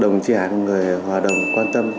đồng chí hải là một người hòa đồng quan tâm